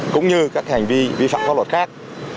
cũng như các hành vi vi phạm pháp luật khác